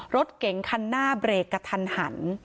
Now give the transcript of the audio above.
รถเก๋งคันหน้าเบรกกระทันหัน